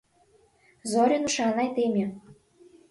Зорин ушан айдеме.